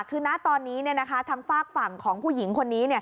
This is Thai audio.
คือณตอนนี้ทางฝากฝั่งของผู้หญิงคนนี้